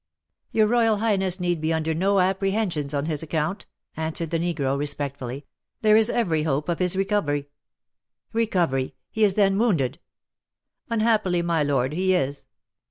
"Your royal highness need be under no apprehensions on his account," answered the negro, respectfully; "there is every hope of his recovery." "Recovery! He is, then, wounded?" "Unhappily, my lord, he is."